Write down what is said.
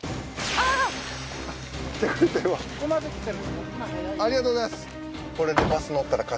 ありがとうございます。